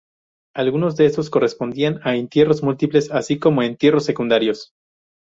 Algunos de estos correspondían a entierros múltiples, así como a entierros secundarios.